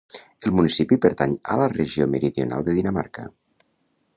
El municipi pertany a la Regió Meridional de Dinamarca.